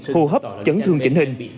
hô hấp chấn thương chỉnh hình